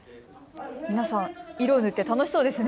皆さん色を塗って楽しそうですね。